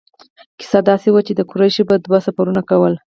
کیسه داسې وه چې قریشو به دوه سفرونه کول.